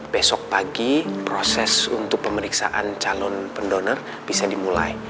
besok pagi proses untuk pemeriksaan calon pendonor bisa dimulai